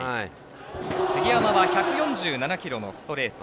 杉山は１４７キロのストレート。